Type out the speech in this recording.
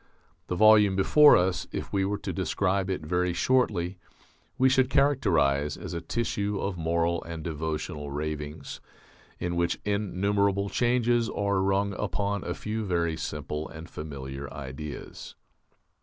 The volume before us, if we were to describe it very shortly, we should characterize as a tissue of moral and devotional ravings, in which innumerable changes are rung upon a few very simple and familiar ideas.